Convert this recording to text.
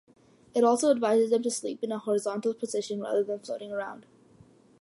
It also advises them to sleep in a horizontal position rather than floating around.